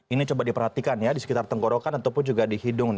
ini coba diperhatikan ya di sekitar tenggorokan ataupun juga di hidung